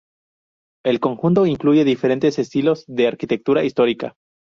El conjunto incluye diferentes estilos de arquitectura histórica.